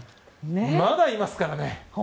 まだいますからね。